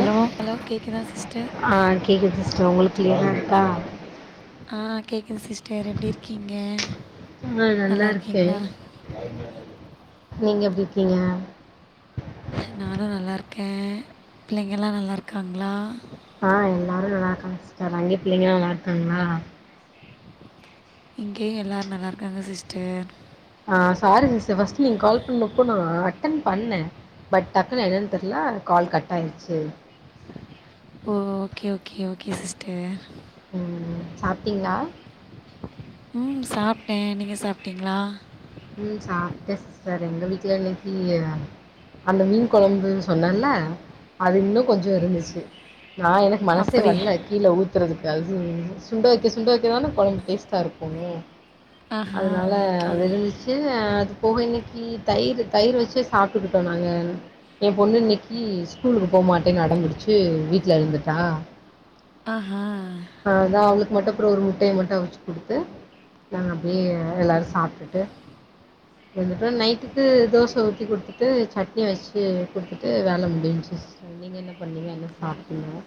Allow hello கேக்குதா sister கேக்குது sister உங்களுக் க்ளியரா இருக்கா ஆ கேக்குது சிஸ்டர் எப்டி இர்க்கீங்க அ நல்லாருக்கே நீங்க எப்டி இர்க்கீங்க நானு நல்லாருக்கே பிள்ளைங்கல்லா நல்லார்க்காங்ளா ஆ எல்லாரும் நல்லாருக்காங்க அங்கே பிள்ளைங்கள்ளா நல்லார்க்காங்ளா இங்கே எல்லாரு நல்லார்க்காங்க சிஸ்டர் அ சாரி சிஸ்டர் ஃபஸ்ட் நீங்க கால் பண்ணப்போ நா அட்டன் பண்ண பட் டக்குனு என்னன் தெர்ல கால் கட் ஆயிருச்சு ஓ ஓகே ஓகே ஓகே சிஸ்டர் ம் சாப்ட்டீங்ளா ம் சாப்ட்டே நீங்க சாப்ட்டீங்ளா ம் சாப்ட்டே சிஸ்டர் எங்க வீட்ல இன்னைக்கி அந்த மீன் குழம்பு சொன்னல்ல அது இன்னு கொஞ்ச இருந்துச்சு நா எனக் மனசே அப்படி வல்ல கீழே ஊத்துறதுக்கு அதுவு சுண்ட வைக்க சுண்ட வைக்கதானா குழம்பு டேஸ்ட்டாருக்கு ஆஹா அதனால ஓகே அது இருந்துச்சு அது போக இன்னைக்கு தயிர் தயிர் வச்சு சாப்ட்டுக்ட்டோ நாங்க ஏ பொண்ணு இன்னைக்கு ஸ்கூலுக்கு போகமாட்டேனு அடம்புடிச்சு வீட்ல இருந்துட்டா ஆஹா அதா அவங்ளுக் மட்டு ப்ரோ ஒரு முட்டையை மட்டு அவ்ச்சு குடுத்து நாங்க அப்டியே எல்லாரு சாப்ட்டுட்டு அது தா நைட்டுக்கு தோசை ஊத்தி குடுத்துட்டு சட்னி வெச்சு குடுத்துட்டு வேல முடிஞ்ன்ச்சு நீங்க என்ன பண்ணீங்க என்ன சாப்ட்டீங்க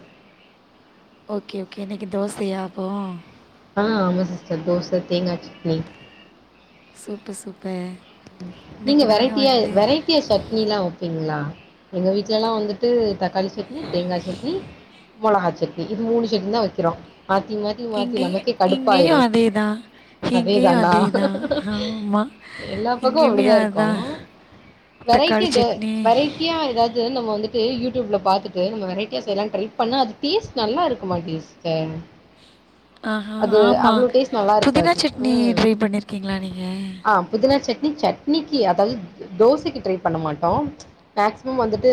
ஓகே ஓகே இன்னைக் தோசையா அப்போ ஆ ஆமா சிஸ்டர் தோச தேங்காய் சட்னி சூப்பர் சூப்பர் நீங்க இன்னைக்கு நாங்கள் வெரைட்டியா வந்து வெரைட்டியா சட்னி எல்லா வெப்பீங்களா எங்க வீட்லல்லா வந்துட்டு தக்காளி சட்னி தேங்காய் சட்னி மொளகா சட்னி இது மூணு சட்னி தா வைக்கிறோ மாத்திமாத்தி மாத்தி மாத்தி இங்கே நமக்கே கடுப்பாயிரு இங்கேயும் அதே தான் இங்கேயும் அதேதானா அதே தான் ஆமாம் எல்லா பக்க கோ இங்கேயுமே அப்டிதாருக்கோ அதுதான் தக்காளி வெரைட்டி ட சட்னி வெரைட்டி [unintelligible] நம்ம வந்துட்டு யூ டி யூப் கல பாத்தட்டு நம்ம வெரைட்டியா எல்லாம் ட்ரைப் பண்ண அது டேஸ்ட் நல்லா இருக்கு மாடேங்குது ஹம் ஆஹஹ ஆமா டேஸ்ட் நல்லா புதினா இருக்காது. சட்னி ம். ட்ரை பண்ணிருக்கீங்களா நீங்க ஆ புதினா சட்னி சட்னிக்கு அதாவது தோசைக்கு ட்ரை பண்ண மாட்டோ மேக்சிமம் வந்துட்டு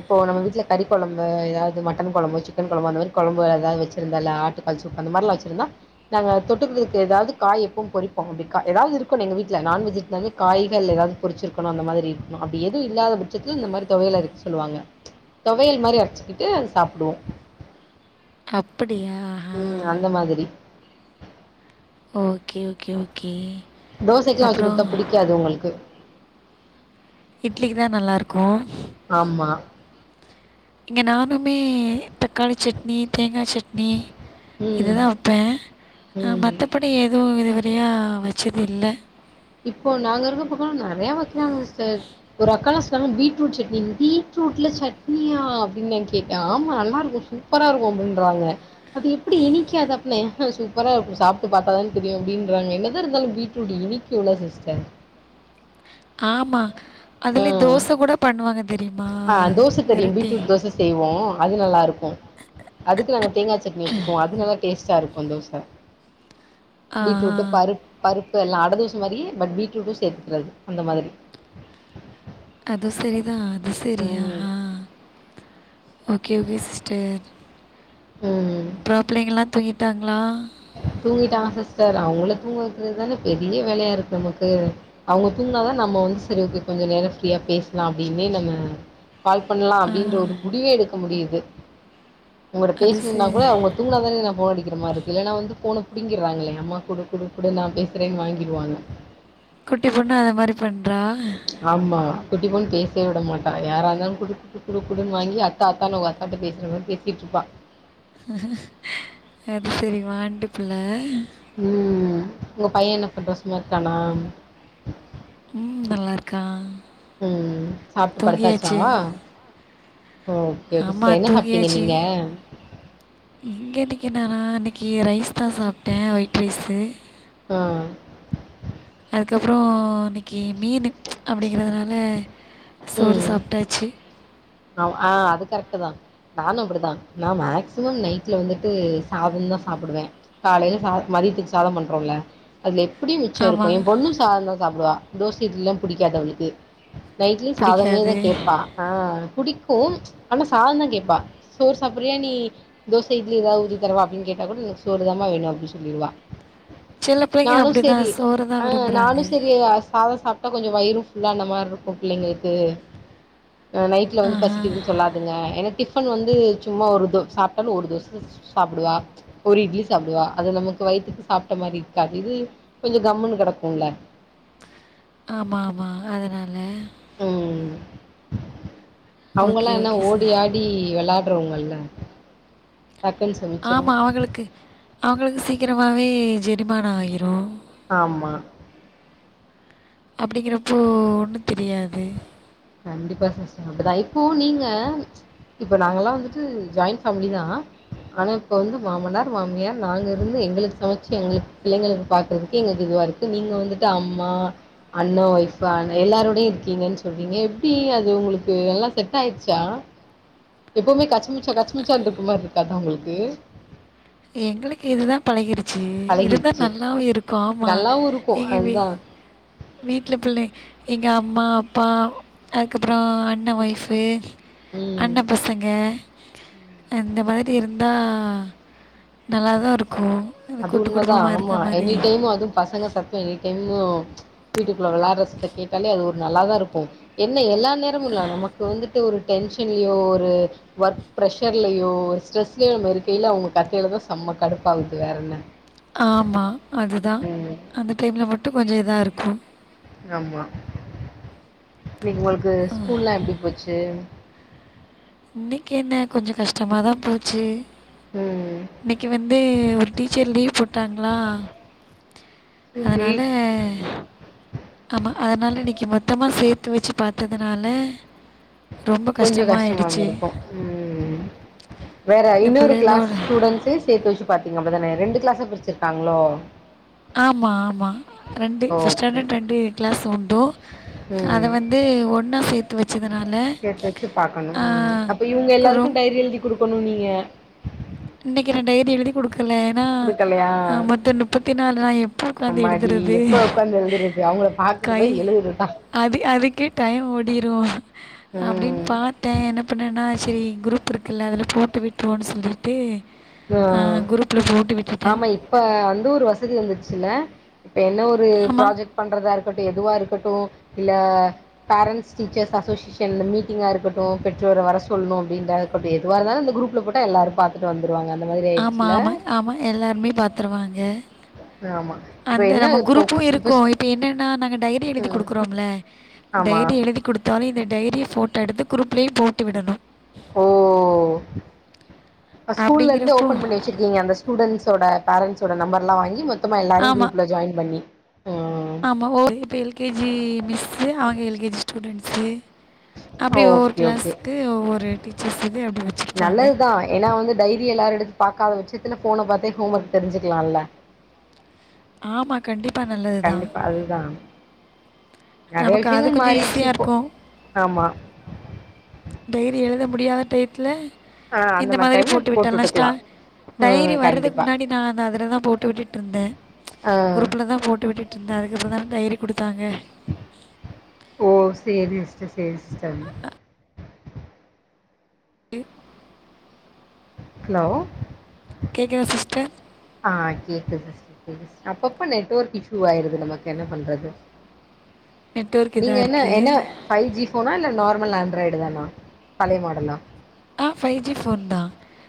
இப்போ நம்ம வீட்ல கறிக்கொழம்பு ஏதாவது மட்டன் கொழம்பு சிக்கன் கொழம்பு அந்த மாதிரி கொழம்பு ஏதாவது வெச்சிருந்தல ஆட்டுக்கு [unintelligible] அந்த மார்லா வெச்சிருந்தா நாங்க தொட்டுக்கிறதுக்கு ஏதாவது காய் எப்போவு பொறிப்போங் கா ஏதாவ்து இருக்கு எங்க வீட்ல நான்வெஜ் வந்து காய்கள் ஏதாவது பொரிச்சிருக்கணு அந்த மாதிரி அப்டி எதுவு இல்லாத பட்சத்துல இந்த மாரி தொவையல்ருக்கு சொல்லுவாங்க தொவையல் மாரி அரைச்சிக்கிட்டு அத சாப்டுவோ அப்படியா ஆஹா உம் அந்த மாதிரி ஓகே ஓகே ஓகே தோசைக்கெல்ல வெச்சு அப்புறம் குடுத்தா புடிக்காது அவங்ளுக்கு இட்லிக்கு தா நல்லாருக்கு ஆம்மா இங்க நானுமே தக்காளி சட்னி தேங்காய் சட்னி இது ம் தா வெப்பே ம் மத்தபடி எதுவு இதுவரியா வெச்சதில்ல இப்போ நாங்க இருக்க பக்கம்லா நறைய வைக்கிறாங்க சிஸ்டர் ஒரு அக்காலா சொன்பீட்ரூட் சட்னி பீட்ரூட்ல சட்னியா அப்டின்னு நா கேட்டே ஆமா நல்லா இருக்கும் சூப்பரா இருக்கும் அப்படின்றாங்க அது எப்டி இனிக்கக்கா அப்டின் தான் சூப்பரா சாப்பிட்டு பார்த்தாதான்க்கு தெரியு அப்படின்றாங்க என்னதா இருாலும் பீட்ரூட் இனி க்கும்ல சிஸ்டர் ஆமா ஆ. அதுலே தோச கூட பண்வாங்க தெரிமா வெரைட்டி செய்வோ அது நல்லாருக்கு அதுக் நாங்க தேங்காய் சட்னி வெச்சுப்போம் அது நல்ல டேஸ்ட் [unintelligible] தேஸ்டா யோசன இருக்கு தோச ஆ, ஆ. பீட்ருடு பருப்பு பருப்பு எல்லா அடை தோச மாரி பட் பீட்ரூட்டு சேர்த்துக்குறது அந்த மாதிரி அதுவு சரிதா அது சரி அஹ ம். ஓகே ஓகே சிஸ்டர் ம். அப்பறோ பிள்ளங்கல்லா தூங்கிட்டாங்களா தூங்கிட்டாங்க சிஸ்டர் அவங்கள தூங்க வக்கிறதுதானே பெரிய வேலையா இருக்கு நமக்கு அவுங்க தூங்குனாதா நம்ம வந்து சரி ஓகே கொஞ்ச நேர ஃப்ரீயா பேசலா அப்படின்னே நம்ம கால் பண்ணலா ஆ, அப்படின்ற ஒரு முடிவே எடுக்க முடியுது உங்கட்ட அது சே பேசணுனா கூட அவங்க தூங்குனா தானே நா ஃபோன் அடிக்கிற மாரி இருக்கு இல்லன்னா வந்து ஃபோன புடிங்கறாங்களே அம்மா குடு குடு கூட நா பேசுறேன்னு வாங்கிருவாங்க குட்டி பொண்ணு அது மாரி பண்றா ஆமா குட்டி பொண்ணு பேசவே விட மாட்டா யாரா இருந்தாலு குடு குடு குடுன்னு வாங்கி தாத்தானு அவுங்க அக்காட பேசுற மாரி பேசிட்டு இருப்பா அது செரி வாண்டுப்புள்ள ம் உங்க பையன் என்ன பண்றா சும்மா இருக்கானா ம், நல்லா இருக்கான். ம் சாப்பட்டு படுத்தாச்சா தூங்கியாச்சு. ஓகே ஓகே ஆமா, சிஸ் என்ன சாப்ட்டீங்க நீங்க கேட்டிங்கனா இன்னைக்கி ரைஸ் தா சாப்ட்டே ஒயிட் ரைஸு ஆ அதுக்கப்புற இன்னைக்கி மீனு அப்புடிங்கிறதுனால சோறு சாப்ட்டாச்சு ஔ ஆ அது கரெக்ட் தா நானு அப்டிதான் நா மேக்சிமம் நைட்ல வந்துட்டு சாதந்தா சாப்புடுவே காலையில சாத மதியத்துக்கு சாதம் பண்றோல்ல அதுல எப்படியு மிச்ச இருக்கு ஆமாம் என் பொண்ணு சாதம் தா சாப்பிடுவா தோச இட்லிலா புடிக்காது அவளுக்கு நைட்லயு சாதமே தா பிடிக்காது கேப்பா ஆ புடிக்கு ஆனா சாதம் தா கேப்பா சோர் சாப்புறியா நீ தோசை இட்லி எதாவது ஊத்தி தரவா அப்படின் கேட்டா கூட எனக்கு சோர்தாமா வேணு அப்டின்னு சொல்லிருவா சில பிள்ளைங்க நானு அப்படி செரி தான் சோறு தான் ஆ விரும்புகிறாங்க நானு செரி அஸ் சாத சாப்ட்டா கொஞ்ச வயிறும் ஃபுல்லான மாரி இருக்கும் புள்ளைங்களுக்கு இல்ல வந்து ஆஹா பசிக்குதுன்னு சொல்லாதுங்க ஏன்னா டிஃப டிபன் வந்து சும்மா ஒரு தோ சாப்பட்டாலு ஒரு தோசை சாப்புடுவா ஒரு இட்லி சாப்புடுவா அது நமக்கு வயித்துக்கு சாப்புட்ட மாரி இருக்காது இது கொஞ்ச கம்மன்னு கடக்கும்ல ஆமா ஆமா அதுனால ம் ஓகே அவுங்கல்லா என்ன ஓகே ஓடி சார் ஆடி வெளாடுறவங்கல்ல டக்குன்னு சொல் ஆமா அவுங்களுக்கு அவுங்களுக்கு சீக்கிரமாவே ஜெரிமானோ ஆகிரு ஆமா அப்புடிங்கிறப்போ ஒன்னு தெரியாது கண்டிப்பா சிஸ்டர் அப்டிதா இப்போ நீங்க இப்போ நாங்கல்லா வந்துட்டு ஜாயிண்ட் ஃபேமிலி தா ஆனா இப்ப வந்து மாமனார் மாமியார் நாங்க இருந்து எங்களுக்கு சமைச்சு எங்களுக்கு பிள்ளைங்களுக்கு பாக்குறதுக்கே எங்களுக்கு இதுவா இருக்கு நீங்க வந்துட்டு அம்மா அண்ணா ஒயிஃப் எல்லாரோட இருக்கீங்கன்னு சொல் றீங்க எப்புடி அது உங்களுக்கு எல்லா செட் ஆயிச்சா எப்பவுமே கச்சி மிச்சா கச்சி மிச்சான்ற இருக்க மாரி இருக்காதா உங்களுக்கு எங்களுக்கு இதுதா பழகிருச்சு இதுதா நல்லாவு இருக்கு ஆமா நல்லாவு இருக்கும் அதுதா வீட்ல புள்ளை எங்க அம்மா அப்பா அதுக்கப்புற அண்ண ஒய்ஃபு ம். அண்ண பசங்க அந்த மாதிரி இருந்தா நல்லாதா இருக்கு அது உண்மைதா ஆமா எனி டைம் அதுவு பசங்க சத் எனி டெம்மு வீட்டுக்குள்ள வெள்ளறா சத்த கேட்டாலே அது ஒரு நல்லா தா இருக்கு என்ன எல்லாத் நேரமுல்லா நமக்கு வந்துட்டு ஒரு டென்ஷன்லியோ ஒரு ஒர்க் ப்ரெஷர்லயோ ஒரு ஸ்ட்ரெஸ்லயோ நம்ப இருக்கையில அவங்க கத்தையில தா செம்ம கடுப்பாகுது வேற என்ன ஆமா அதுதா ம் அந்த டைம்ல மட்டு கொஞ்ச இதா இருக்கு யம்மா இன்னிக் உங்களுக்கு ஸ்கூல்லா எப்டி போச்சு இன்னிக் என்ன கொஞ்ச கஷ்ட்டமாதா போச்சு ம் இன்னிக்கு வந்து ஒரு டீச்சர் லீவ் போட்டாங்ளா சரி அத்னால ஆமா அதனால இன்னிக்கு மொத்தமா சேத்து வெச்சி பாத்ததுனால கொஞ்ச கஷ்ட்டமா ந்துருக்கு ம் வேற இந்த ஐனூறு க்ளாஸ் பிள்ளைகளோட ஸ்டூடன்ஸ் து சேத்து வச்சி பாத்தீங்க அப்டிதானே ரெண்டு க்ளாஸ்சா பிரிச்சிருக்காங்ளோ ஆமா ஆமா ரெண்டு் ஃபஸ் ஓகே ஸ்டாண்டர் ரெண்டு க்ளாஸ் உண்டோ அத ம் வந் து ஒன்னா சேத் துவச்சதுனால சேத்து வச்சி பாக்கணு ம் அப்ப இவுங்க எல்லாருக்கு ரொம் டைரி எழுதி குடுக்கணு நீங்க இன்னக்கி நா டைரி எழுதி குடு கல ஏனா குடுக்கலையா மொத்த நுப்பத்தி நாலு நா எப்ப உக்கந்து அம்மாடி எழுதுறது கொண்டு கை போய் எழுதுறத்தா அது அதுக்கே டைய ஓடிரு அப்டி ம் பாத்தே என்ன பண்ணேன்னா செரி குரூப் இருக்குல்ல அதுல போட்டு விட்ருவோனு சொல்லி ஏ ஆ அ குரூப்புல போட்டு விட்டுட்ட ஆமா இப்ப அந்த ஒரு வசதி வந்துருச்சுல இப்போ என்ன ஒரு ஆமாம் ப்ராஜெக் பண்றதா இருக்கட்டு எதுவா இருக்கட்டு இல்ல பேரண்ட்ஸ் டீச்சர்ஸ் அசோசிஷன்ல மீட்டிங்கா இருக்கட்டு பெற்றோர வர சொல்னு அப்டின்ட அப்டி எதுவா இருந்தாலு இந்த குருப்ல போட்டா எல்லாரு பாத்துட்டு வந்துருவாங்க அந்த மாதிரி ஆமா ஆயிடுச்சுல ஆமா ஆமா எல்லார்மே பாத்துருவாங்க ஆமா இப்ப அந்த என்ன நம்ம இப்போ குரூப்பு இருக்கு இப்ப என்னன்னா நாங்க டைரி எழுதி ம் குடுக்குறோம்ல ஆமா டைரி எழுதி குடுத்தாலு இந்த டைரிய போட்டோ எடுத்து குருப்லயு போட்டு விடணு ஓ இப்ப ஸ்கூல்லருந்து அப்படிங்கிறப்போ ஓப்பன் பண்ணி சிருக்கீங்க அந்த ஸ்டூடெண்ட்ஸோட பேரன்ஸ்சோட நம்பர்லா வாங்கி மொத்தமா எல்லாரோயு குரூப்ல ஜாயின் பண்ணி ம் ஆமா ஓ இப்ப எல்கேஜி மிஸ்சு அவுங்க எல்கேஜி ஸ்டூடெண்ஸு அப்டி ஒவ்வொரு ஓகே ஓகே க்ளாஸ்கு ஒவ்வொரு டீச்சர்ஸ்ஸுடே இது அப்டி வச்சிருப்பாங்க ஏனா வந்து டைரி எல்லாரு எடுத் பாக்கத வச்சத்துல ஃபோன பாத்தே ஹோம் ஒர்க் தெருஞ்சுக்லால்ல ஆமாம் கண்டிப்பாக நல்லது தான் கண்டிப்பா அதுதா நெறைய நமக்கு அது விஷியங்கள் கொஞ்சம் மாறிச்சி ஈஸியாக இப்போ இருக்கும் ஆமா டைரி எழுத முடியா டையத்துல ஆ அந்த இந்த மாரி மாதுரி டைம்ல போட்டு விட்டல்லா ஷ்டா விட்டுக்கலா டைரி ம் வர்றதுக் கண்டிப்பா முன்னாடி நா அந்த அதுலதா போட்டு விட்டுட்ருந்தே ஆ குரூப்புல தா போட்டு விட்டுட்ருந்த அதுக்கப்புறோ தான டைரி குடுத்தாங்க ஓ சேரி சிஸ்டர் சேரி சிஸ்டர் ஹலோ கேக்குதா சிஸ்ட்ட ஆ கேக்குது சிஸ் [inaudible] அப்பப்போ நெட்ஒர்க் இ்ஷு ஆயிருது நமக் என்ன பண்றது நெட்ஒர்க் நீங்க இதாக என்ன என்ன இருக்குது பைஜி போனா இல்ல நார்மல் ஆண்ராய்டு தான பழைய மாடலா ஆ பைவ் ஜி போன் தா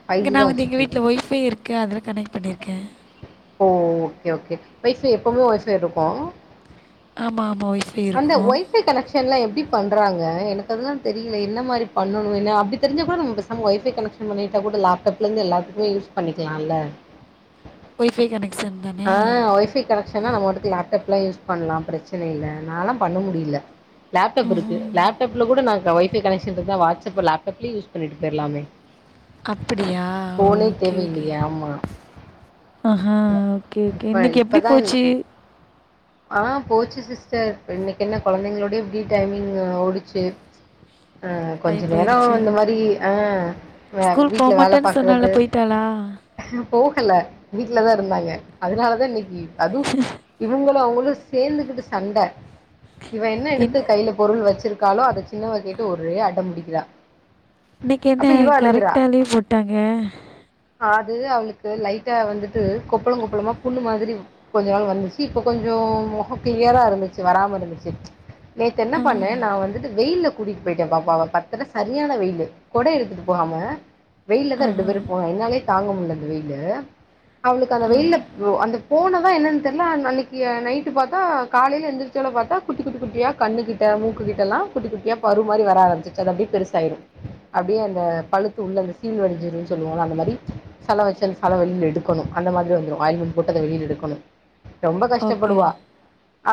ஃபைவ் இங்க ஜி நா தான் வந்து எங்க வச்சிருக்கீங்க வீட்ல ஒய்பை இருக்கு அதெல்லா கனெக்ட் பண்ணியிருக்க ஓ ஓகே ஓகே ஒய்ஃபை எப்போவு ஒய்ஃபை இருக்கோ ஆமா ஆமா ஒய்ஃப் அந்த ஒய் ஃபை கனெக்ஷன் எல்லா எப்டி பண்றாங்க எனக்கு அதெல்லா தெரில என்ன மாரி பண்ணணு அப்டி தெரிஞ்சா கூட நம்ம நம் ஒய்பை கனெக்ஷன் பண்ணிட்டா கூட லேப்டாப்ல இருந்து எல்லாதுக்குமே யூஸ் பண்ணிக்கலாம்ல ஒய்ஃபை கனெக்ஷன் தானே ஆ ஒய்ஃபை கனெக்ஷனா நம்ம மாட்டுக்கு லேப்டாப் எல்லாம் யூஸ் பண்ணலாம் பிரச்சனை இல்ல நாலாம் பண்ண முடில லேப்டாப் இருக்கு ம்ஹூம் லப்டாப்ல கூட நாங்க ஒய்பை கனெக்ஷன் இருக்குனா வாட்ஸ்அ லப்டாப்லயே யூஸ் பண்ணிட்டு போய்டலாமே அப்படியா ஓகே ஓகே தேவையில்லையே ஆமா ஆஹா ஓகே ஓக் ப இப்பதான் ஆ போச்சு சிஸ்டர் இன்னைக் என்ன கொழந்தைங்களுடைய ஃபிரி டைமிங் ஓடுச்சு ஆ கொஞ்ச டைம் நேரோ போயிடுச்சு இந்த மாரி ஆ வே ஸ்கூல் போக வீட்ல வேல மாட்டேன்னு சொன்னால பாக்குறது போயிட்டாளா போகல வீட்லதா இருந்தாங்க அதனாலதா இன்னைக் அதும் இவங்களு அவங்களு சேந்துகிட்டு சண்ட இவன் என்ன எடுத்து கைல பொருள் வச்சிருக்காலோ அத சின்னவ கேட்டு ஒரே அடோ புடிக்கிறா இன்னிக்கி என்ன அப்ப இவ அழுகுறா கரெக்ட்டா லீவ் போட்டாங்க ஆது அவளுக்கு லைட்டா வந்துட்டு கொப்பளம் கொப்பளமா புண்ணு மாதிரி கொஞ்ச நாள் வந்துச்சு இப்ப கொஞ்ச முகம் கிளியரா இருந்துச்சு வராம இருந்துச்சு நேத்து என்ன ஆ பண்ணே நா வந்துட்டு வெயில்ல கூட்டிட்டு போயிட்டே பாப்பாவ பத்துலா சரியான வெயிலு கொட எடுத்துட்டு போகாம வெயில்ல தா ரெண்டு ஆஹா பேரு போனோ என்னாலே தாங்க முடில அந்த வெயிலு அவளுக்கு அந்த வெயில்ல போ அந்தப் போனதா என்னன்னு தெரில அன்னிக்கி நைட்டு பாத்தா காலைல எந்துருச்சோல பாத்தா குட்டி குட்டி குட்டியா கண்ணு கிட்ட மூக்குக்கிட்டெல்லா குட்டிட்டியா பரு மாரி வர ஆரம்பிச்சு அது அப்டியே பெருசாயிரும் அப்டியே அந்த பழுத்து உள்ள அந்த சீல் வடிஞ்சிருனு சொல்லுவோல அந்த மாரி சல வச்சல் சலவெளில எடுக்கணு அந்த மாரி வந்துரும் ஆயில்மெண்ட் போட்டு அத வெளில எடுக்கணு ரொம்ப ஓகே கஷ்டப்படுவா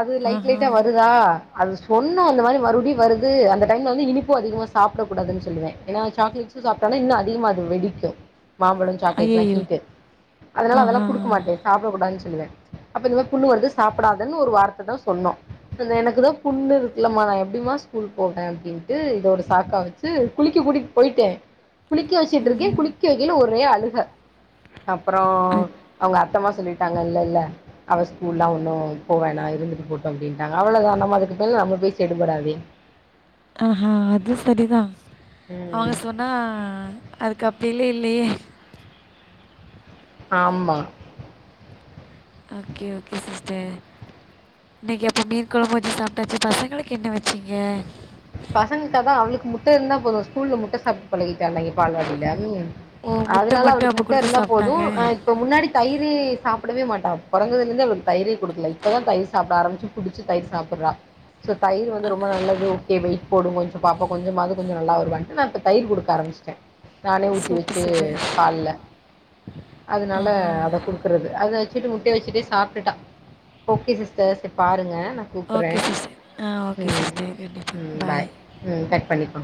அது லைட் ஆஹா லைட்டா வரு தா அது சொன்ன அந்த மாரி மறுபடியு வருது அந்த டைம்ல வந்து இனிப்பு அதிகமா சாப்பிட கூடாதுன்னு சொல்லுவே ஏனா சாக்லேட்ஸு சாப்ட்டனா இன்னு அதிகமா அது வெடிக்கு மாம்பழம் சாக்லேட் எல்லா ஐயையோ ஹீட் அதனால அதெல்லா ஆஹா சாப்ட கூடாது சொல்லுவே அப்ப இந்த மாரி புண்ணு வந்து சாப்டாதுன்னு ஒரு வார்த்த தா சொன்ன பின்ன எனக்குதா புண்ணு இருக்குலமா நா எப்டிமா ஸ்கூல் போவே அப்டின்னுட்டு இதோட சாக்கா வச்சு ட்டு குளிக்க கூட்டிட் போயிட்டே போய்ட்டன் குளிக்க வச்சுட்டு இருக்கே குளிக்க வைக்கில ஒரே அழுக அப்பறோ அவங்க அத்தம்மா சொல்லிட்டாங்க இல்ல இல்ல அவ ஸ்கூல்லா ஒன்னு போவோனா இருந்துட்டு போட்டு அப்டின்ட்டாங்க அவ்ளோதா நம்ம அதுக்கு மேல நம்ம பேச்சி எடுபடாதே ஆஹா அது சரிதா அவங்க ம் சொன்னா அதுக் அப்பீலே இல்லயே ஆமா ஓகே ஓகே சிஸ்டர் இன்னைக் அப்போ மீன் கொழம்பு வச்சு சாப்பிட்டாச்சு பசங்களுக்கு என்ன வச்சீங்க பசங்கக்கதா அவளுக்கு முட்ட இருந்தா போது ஸ்கூல்ல முட்ட சாப்ட்டு பழகிட்டால இந்த பால்வாடில ம் ஓ! முட்டை அதனால மட்டும் அவளுக் அப்போ முட்ட குடுத்து இருந்தா போது சாப்பிட்டாங்க. அ இப்போ முன்னாடி தயிரே சாப்பிடவே மாட்டாவா பொறந்தலேருந்து அவளுக் தயிரே குடுக்கல இப்ப தா தயிர் சாப்ட ஆரம்பிச் புடிச்ச தயிர் சாப்ட்றா ஸோ தயிர் வந்து ரொம்ப நல்லது எ வெயிட் போடு கொஞ்ச பாப்பா கொஞ்சமாது கொஞ்ச நல்லா வருவா நா இப்ப தயிர் குடுக்க ஆரம்பிச்ட்டே நானே ஊத்தி சூப்பர், வச்சு சூப்பர். பால்ல ஆ, அதனால அத குடுக்குறது ஓகே சிஸ்டர் சேர் பாருங்க ஓகே கூப்பிட்றேன் சிஸ்டர் ஆ ஓகே ம் சிஸ்டர் கண்டிப்பா ம் பாய் ம் கட் பண்ணிக்கோ